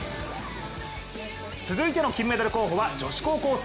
続いての金メダル候補は女子高校生。